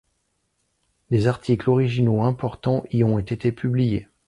Des articles originaux importants y ont été publiés.